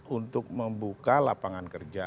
untuk membuka lapangan kerja